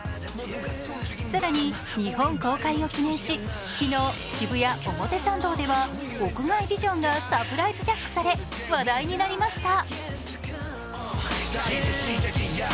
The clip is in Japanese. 更に日本公開を記念し昨日、渋谷・表参道では屋外ビジョンがサプライズジャックされ、話題になりました。